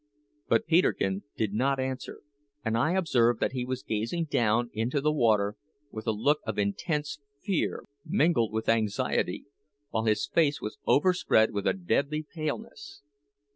But Peterkin did not answer; and I observed that he was gazing down into the water with a look of intense fear mingled with anxiety, while his face was overspread with a deadly paleness.